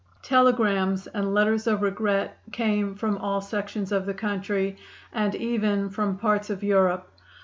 Telegrams and letters of regret came from all sections of the country, and even from parts of Europe.